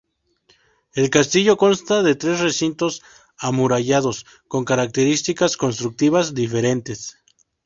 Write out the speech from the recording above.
El castillo consta de tres recintos amurallados, con características constructivas diferentes.